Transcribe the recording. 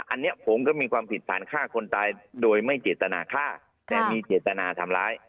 อันนี้ผมก็มีความผิดฐานฆ่าคนตายโดยไม่เจตนาฆ่าแต่มีเจตนาทำร้าย